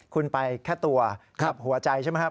คุณไปแค่ตัวกับหัวใจใช่ไหมครับ